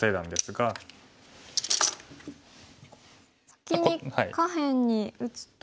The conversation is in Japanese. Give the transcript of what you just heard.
先に下辺に打つと。